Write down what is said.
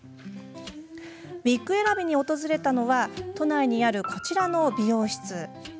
ウイッグ選びに訪れたのは都内にあるこちらの美容室。